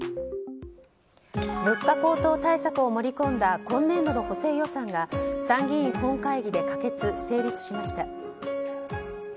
物価高騰対策を盛り込んだ今年度の補正予算が参議院本会議で可決・成立しました。